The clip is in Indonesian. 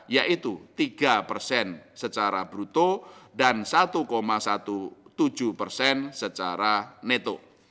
yaitu tiga persen secara bruto dan satu tujuh belas persen secara neto